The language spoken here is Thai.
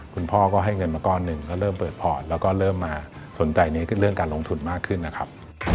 คุณพ่อก็ให้เงินมาก้อนหนึ่งก็เริ่มเปิดพอร์ตแล้วก็เริ่มมาสนใจในเรื่องการลงทุนมากขึ้นนะครับ